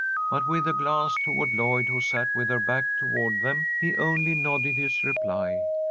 But, with a glance toward Lloyd, who sat with her back toward them, he only nodded his reply.